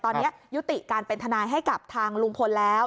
ตอนนี้ยุติการเป็นทนายให้กับทางลุงพลแล้ว